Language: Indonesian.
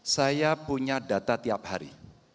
saya punya data tiap hari